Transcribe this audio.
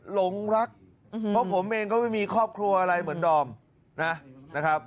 หลงรักเพราะผมเองก็ไม่มีครอบครัวอะไรเหมือนดอมนะครับ